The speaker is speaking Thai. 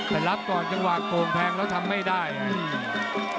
แต่รับก่อนจังหวะโกงแทงแล้วทำไม่ได้อืม